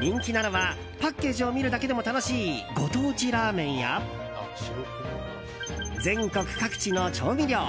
人気なのはパッケージを見るだけでも楽しいご当地ラーメンや全国各地の調味料。